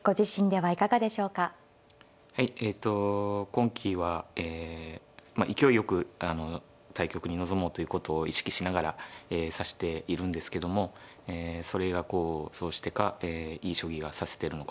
はいえっと今期は勢いよく対局に臨もうということを意識しながら指しているんですけどもそれが功を奏してかいい将棋が指せてるのかなと思っています。